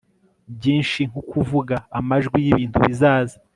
byinshi nkukuvuga amajwi yibintu bizaza